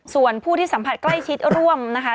ส่วนผู้ที่สัมผัสใกล้ชิดร่วมนะคะ